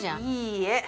いいえ！